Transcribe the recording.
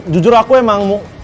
jujur aku emang gak